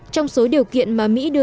trong số điều kiện mà mỹ đưa ra